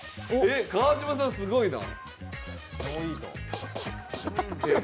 川島さん、すごいな。